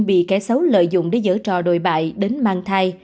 bị kẻ xấu lợi dụng để giở trò đổi bại đến mang thai